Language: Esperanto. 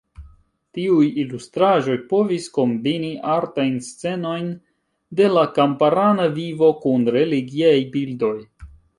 Tiuj ilustraĵoj povis kombini artajn scenojn de la kamparana vivo kun religiaj bildoj.